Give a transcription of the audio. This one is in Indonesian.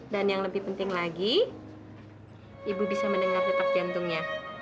dan yang lebih penting lagi ibu bisa mendengar tetap jantungnya